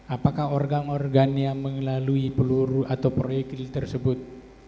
apakah organ organ yang mengelalui peluru atau proyektil tersebut